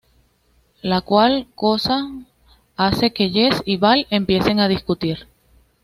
La cual cosa hace que Jess y Val empiecen a discutir.